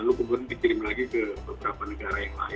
lalu kemudian dikirim lagi ke beberapa negara yang lain